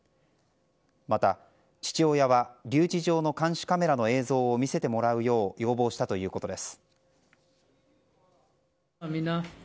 また、父親は留置場の監視カメラの映像を見せてもらうよう要望したということです。